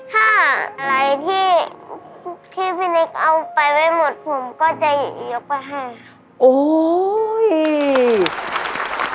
ถ้าอะไรที่พี่นิ๊กเอาไปไว้หมดผมก็จะยกไปให้